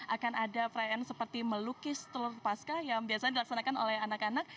akan ada perayaan seperti melukis telur pasca yang biasanya dilaksanakan oleh anak anak